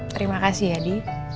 terima kasih ya di